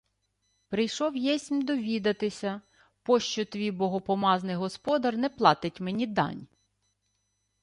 — Прийшов єсмь довідатися, пощо твій богопомазаний господар не платить мені дань.